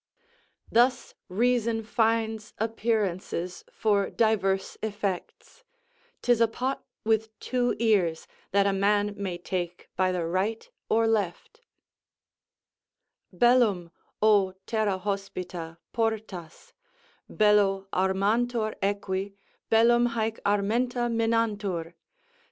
Thus reason finds appearances for divers effects; 'tis a pot with two ears that a man may take by the right or left: Bellum, o terra hospita, portas: Bello armantur eqni; bellum hæc armenta minantur.